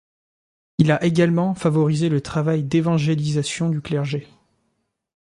Il a également favorisé le travail d'évangélisation du clergé.